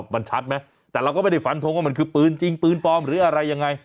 มันชัดไหมแต่เราก็ไม่ได้ฝันทงว่ามันคือปืนจริงปืนปลอมหรืออะไรยังไง